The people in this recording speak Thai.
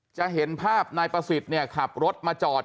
จะเห็นภาพนายประสิทธิ์เนี่ยขับรถมาจอด